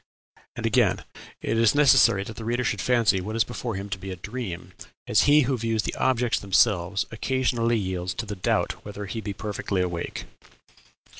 And again, "It is necessary that the reader should fancy what is before him to be a dream, as he who views the objects themselves occasionally yields to the doubt whether he be perfectly awake."